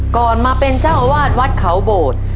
ก่อนมาเป็นเจ้าอาวาสวัดเขาโบด